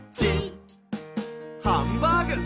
「ハンバーグ」！